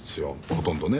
ほとんどね。